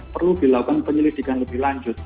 perlu dilakukan penyelidikan lebih lanjut